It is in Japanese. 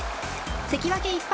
関脇１敗